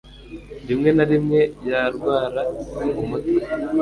Rimwe na rimwe, yarwara umutwe.